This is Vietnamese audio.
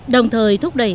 đồng thời thúc đẩy